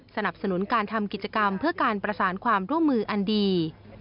สนับสนุนการทำกิจกรรมเพื่อการประสานความร่วมมืออันดี